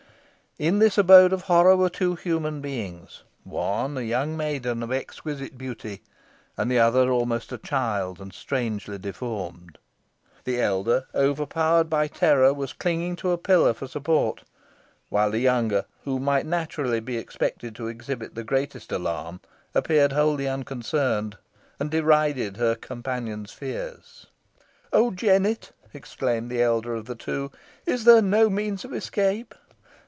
In this abode of horror were two human beings one, a young maiden of exquisite beauty; and the other, almost a child, and strangely deformed. The elder, overpowered by terror, was clinging to a pillar for support, while the younger, who might naturally be expected to exhibit the greatest alarm, appeared wholly unconcerned, and derided her companion's fears. "Oh, Jennet!" exclaimed the elder of the two, "is there no means of escape?"